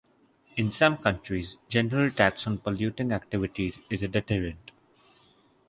In some countries, general tax on polluting activities is a deterrent.